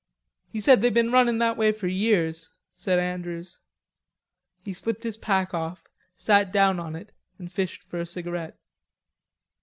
"He says they've been running that way for four years," said Andrews. He slipped his pack off, sat down on it, and fished for a cigarette.